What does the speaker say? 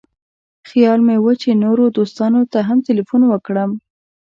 خیال مې و چې نورو دوستانو ته هم تیلفون وکړم.